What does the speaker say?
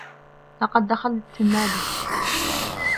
لقد دخلت النادي